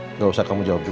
tidak usah kamu jawab juga